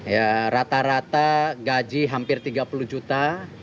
ya rata rata gaji hampir tiga puluh juta